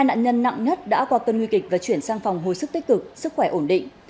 hai nạn nhân nặng nhất đã qua cơn nguy kịch và chuyển sang phòng hồi sức tích cực sức khỏe ổn định